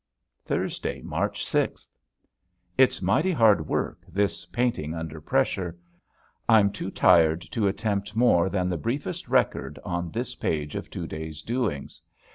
Thursday, March sixth. It's mighty hard work, this painting under pressure. I'm too tired to attempt more than the briefest record on this page of two days' doings.